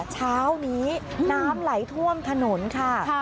เช้านี้น้ำไหลท่วมถนนค่ะ